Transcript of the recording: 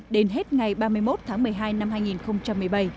đến hết ngày ba mươi một tháng một mươi hai năm hai nghìn một mươi bảy